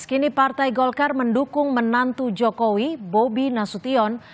kini partai golkar mendukung menantu jokowi bobi nasution